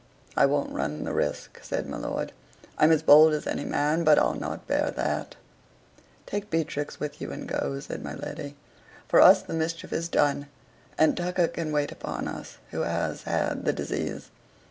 "I won't run the risk," said my lord; "I'm as bold as any man, but I'll not bear that." "Take Beatrix with you and go," said my lady. "For us the mischief is done; and Tucker can wait upon us, who has had the disease."